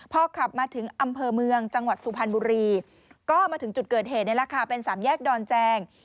พอขับมาถึงอำเภอเมืองจังหวัดสุพรรณบุรีก็มาถึงจุดเกิดเหตุนี่แหละค่ะเป็นสามแยกดอนแจง